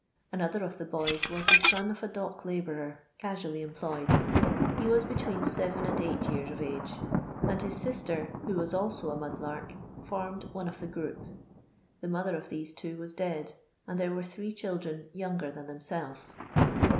Another of the boys was the son of a dock labourer,— casually employed. He was between seven and eight years of age, and his sister, who was also a mud lark, formed one of the group. The mother of these two was dead, and there were three children younger than themselves.